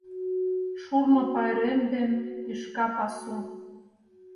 ШУРНО ПАЙРЕМ ДЕН ТӰШКА ПАСУ